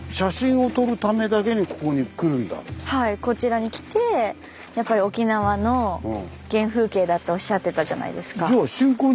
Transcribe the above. こちらに来てやっぱり「沖縄の原風景」だっておっしゃってたじゃないですか。